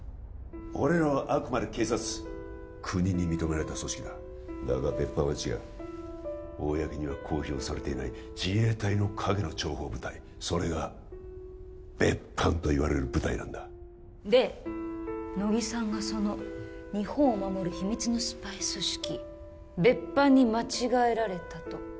俺らはあくまで警察国に認められた組織だだが別班は違う公には公表されていない自衛隊の陰の諜報部隊それが別班といわれる部隊なんだで乃木さんがその日本を守る秘密のスパイ組織別班に間違えられたと？